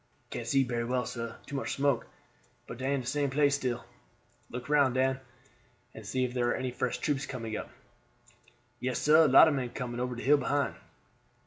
"Can't see berry well, sah; too much smoke. But dey in de same place still." "Look round, Dan, and see if there are any fresh troops coming up." "Yes, sah; lot of men coming ober de hill behind."